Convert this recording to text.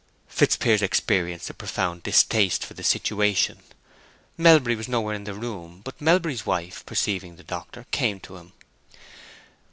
Fitzpiers experienced a profound distaste for the situation. Melbury was nowhere in the room, but Melbury's wife, perceiving the doctor, came to him.